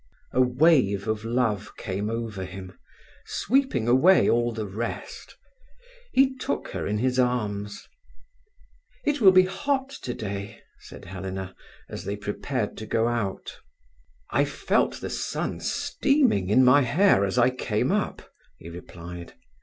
A wave of love came over him, sweeping away all the rest. He took her in his arms…. "It will be hot today," said Helena, as they prepared to go out. "I felt the sun steaming in my hair as I came up," he replied.